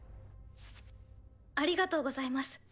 ありがとうございます